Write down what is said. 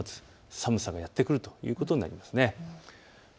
今週末、寒さがやって来るということになります。